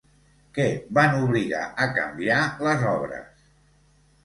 Què van obligar a canviar les obres?